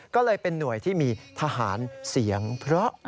ก็เลยเป็นหน่วยที่มีทหารเสียงเพราะ